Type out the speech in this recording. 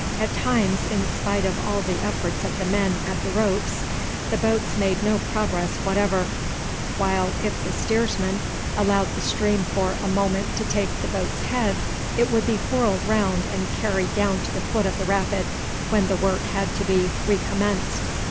At times, in spite of all the efforts of the men at the ropes, the boats made no progress whatever, while if the steersman allowed the stream for a moment to take the boat's head it would be whirled round and carried down to the foot of the rapid, when the work had to be recommenced.